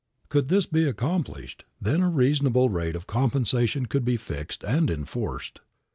Could this be accomplished, then a reasonable rate of compensation could be fixed and enforced.